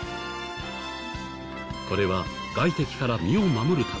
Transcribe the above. これは外敵から身を守るため。